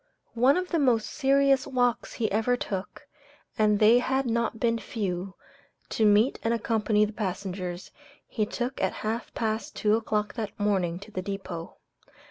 One of the most serious walks he ever took and they had not been a few to meet and accompany passengers, he took at half past two o'clock that morning to the depot.